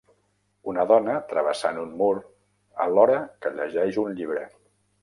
Una dona travessant un mur alhora que llegeix un llibre.